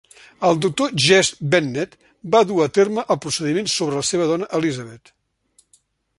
El doctor Jesse Bennett va dur a terme el procediment sobre la seva dona Elizabeth.